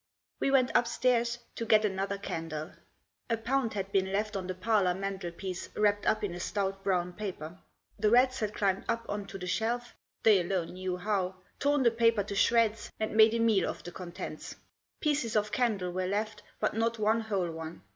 We went upstairs to get another candle. A pound had been left on the parlour mantelpiece wrapped up in a stout brown paper. The rats had climbed up on to the shelf, they alone knew how, torn the paper to shreds, and made a meal off the contents. Pieces of candle were left, but not one whole one.